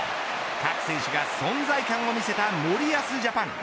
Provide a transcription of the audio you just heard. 各選手が存在感を見せた森保ジャパン。